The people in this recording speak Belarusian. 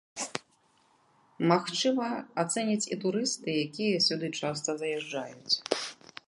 Магчыма ацэняць і турысты, якія сюды часта заязджаюць.